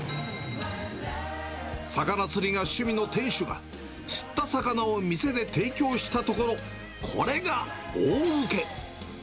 魚つりが趣味の店主が釣った魚を店で提供したところ、これが大うけ。